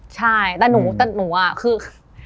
ใช่แต่หนูแต่หนูว่าคือ